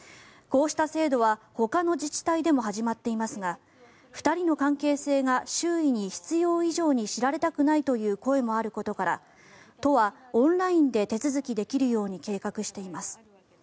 こうした制度はほかの自治体でも始まっていますが２人の関係性が周囲に必要以上に知られたくないという声もあることから都はオンラインで手続きできるように計画しています。